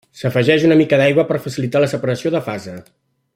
S'afegeix una mica d'aigua per facilitar la separació de fase.